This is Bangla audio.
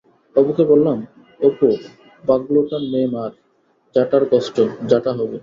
অপুকে বললাম-অপু বাগলোটা নে-মার ঝাঁটার কষ্ট, ঝাঁটা হবে।